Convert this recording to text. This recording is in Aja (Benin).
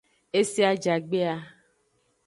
Ese ajagbe a.